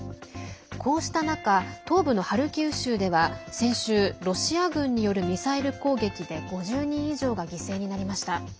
こうした中東部のハルキウ州では先週ロシア軍によるミサイル攻撃で５０人以上が犠牲になりました。